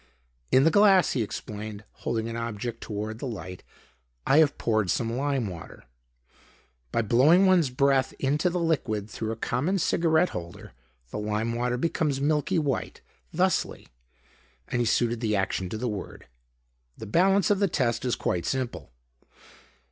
"In the glass," he explained, holding the object toward the light, "I have poured some lime water. By blowing one's breath into the liquid, through a common cigarette holder, the lime water becomes a milky white; thusly," and he suited the action to the word. "The balance of the test is quite simple.